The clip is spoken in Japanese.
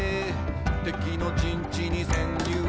「敵の陣地に潜入」